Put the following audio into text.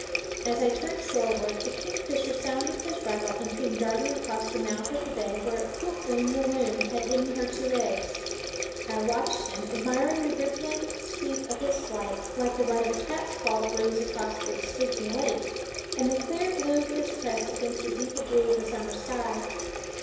As I turned shoreward a kingfisher sounded his rattle and came darting across the mouth of the bay where Hukweem the loon had hidden her two eggs. I watched him, admiring the rippling sweep of his flight, like the run of a cat's paw breeze across a sleeping lake, and the clear blue of his crest against the deeper blue of summer sky.